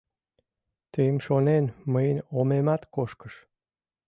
Тыйым шонен, мыйын омемат кошкыш.